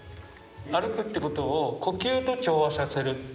歩くってことを呼吸と調和させる。